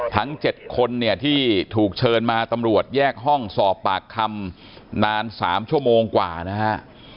ทั้ง๗คนเนี่ยที่ถูกเชิญมาตำรวจแยกห้องสอบปากคำนาน๓ชั่วโมงกว่านะฮะ